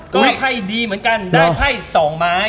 ก็ไพ่ดีเหมือนกันได้ไพ่๒ไม้